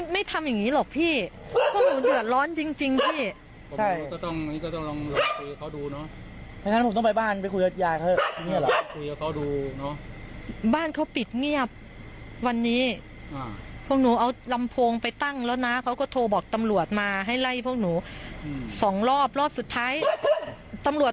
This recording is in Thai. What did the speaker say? มองหน้าพวกหนูเลยหน้าเขาเลยบอกว่าไม่คุยไม่คุย